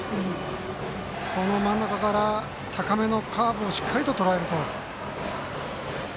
この真ん中から高めのカーブをしっかりと、とらえると。